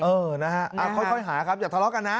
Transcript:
เออนะฮะค่อยหาครับอย่าทะเลาะกันนะ